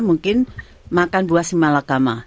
mungkin makan buah semalakama